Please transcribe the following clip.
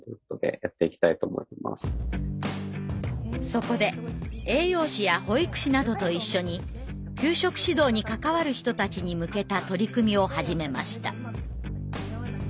そこで栄養士や保育士などと一緒に給食指導に関わる人たちに向けた取り組みを始めました。